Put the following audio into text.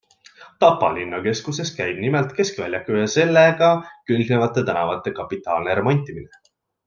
Tapa linna keskuses käib nimelt keskväljaku ja sellega külgnevate tänavate kapitaalne remontimine.